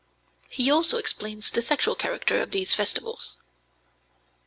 He also explains the sexual character of these festivals.